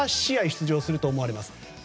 出場すると思われます。